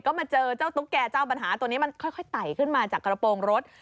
ก็มาเจอเจ้าตุ๊กแก่เจ้าปัญหาตัวนี้มันค่อยไต่ขึ้นมาจากกระโปรงรถ